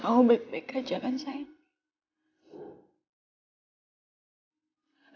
kamu baik baik aja kan sayang